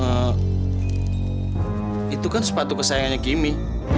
eh itu kan sepatu kesayangannya kimi